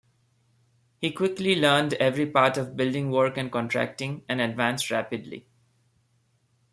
He quickly learned every part of building work and contracting and advanced rapidly.